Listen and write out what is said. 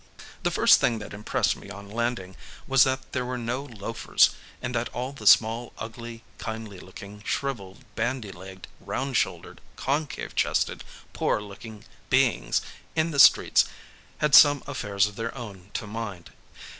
The first thing that impressed me on landing was that there were no loafers, and that all the small, ugly, kindly looking, shrivelled, bandy legged, round shouldered, concave chested, poor looking beings in the streets had some affairs of their own to mind.